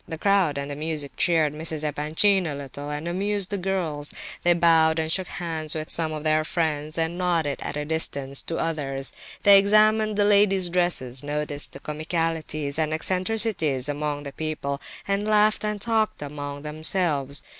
The crowd and the music cheered Mrs. Epanchin a little, and amused the girls; they bowed and shook hands with some of their friends and nodded at a distance to others; they examined the ladies' dresses, noticed comicalities and eccentricities among the people, and laughed and talked among themselves.